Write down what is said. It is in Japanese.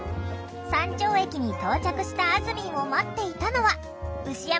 山頂駅に到着したあずみんを待っていたのはどうですか？